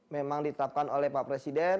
memang ditetapkan oleh pak presiden